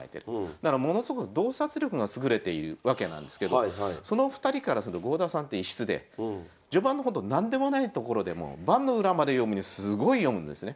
だからものすごく洞察力が優れているわけなんですけどその２人からすると郷田さんって異質で序盤のほんと何でもないところでも盤の裏まで読むすごい読むんですね。